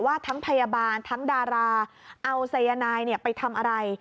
ว่าทั้งพยาบาลทั้งดาราเอาสายนายไปทำอะไร